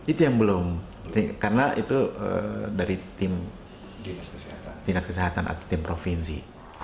itu yang belum karena itu dari tim dinas kesehatan atau tim provinsi